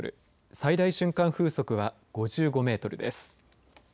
最大瞬間風速は５５メートルです。